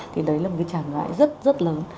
thì đấy là một cái trạng gãi rất rất lớn